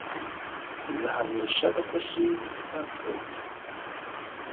زه همېشه د خوښۍ احساس کوم.